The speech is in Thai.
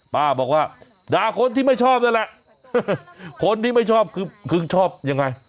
ป้าบอกว่าด่าคนที่ไม่ชอบนั่นแหละคนที่ไม่ชอบคือชอบยังไง